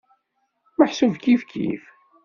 Meḥsub kifkif.